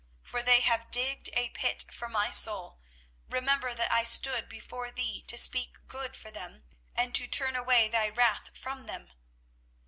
for they have digged a pit for my soul. Remember that I stood before thee to speak good for them, and to turn away thy wrath from them.